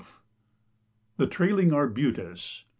THE TRAILING ARBUTUS.